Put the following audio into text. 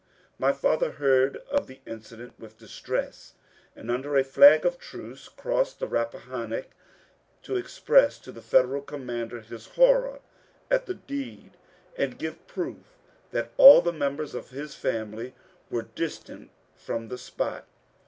My father heard of the incident with distress, and under a fli^ of truce crossed the Rappahannock to express to the Federal commander his horror at the deed and give proof that all the members of his family were distant from the spot.